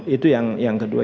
itu yang kedua